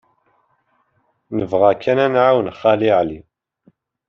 Nebɣa kan ad nɛawen Xali Ɛli.